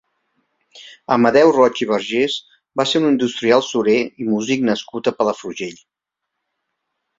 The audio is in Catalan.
Amadeu Roig i Vergés va ser un industrial surer i músic nascut a Palafrugell.